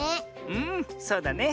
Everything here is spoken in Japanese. うんそうだね。